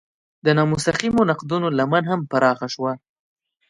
د نامستقیمو نقدونو لمن هم پراخه شوه.